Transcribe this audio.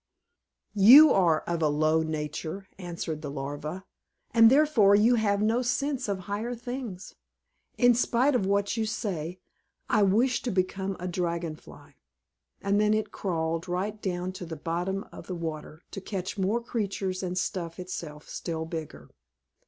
"You are of a low nature," answered the Larva, "and therefore you have no sense of higher things. In spite of what you say, I wish to become a Dragon Fly." And then it crawled right down to the bottom of the water to catch more creatures and stuff itself still bigger.